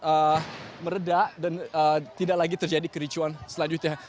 segera meredak dan tidak lagi terjadi kericuan selanjutnya